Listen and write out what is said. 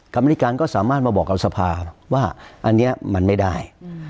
กรรมนิการก็สามารถมาบอกกับสภาว่าอันนี้มันไม่ได้